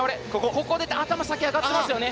ここ、頭、先上がってますよね。